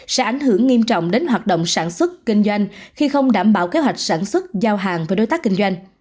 sẽ ảnh hưởng nghiêm trọng đến hoạt động sản xuất kinh doanh khi không đảm bảo kế hoạch sản xuất giao hàng với đối tác kinh doanh